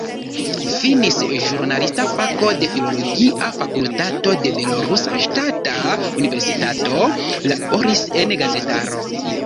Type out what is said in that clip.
Finis ĵurnalista fako de filologia fakultato de Belorusa Ŝtata Universitato, laboris en gazetaro.